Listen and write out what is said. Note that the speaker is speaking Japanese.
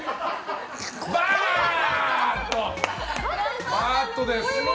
バッドです。